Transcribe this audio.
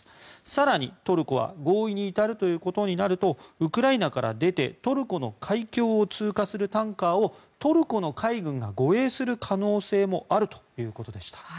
更に、トルコは合意に至るということになるとウクライナから出てトルコの海峡を通過するタンカーをトルコの海軍が護衛する可能性があるということでした。